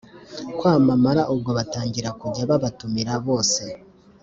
kwamamara, ubwo batangira kujya babatumira bose